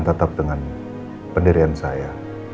tetap dengan pendirian saya